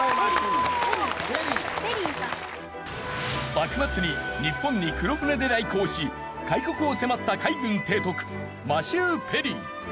幕末に日本に黒船で来航し開国を迫った海軍提督マシュー・ペリー。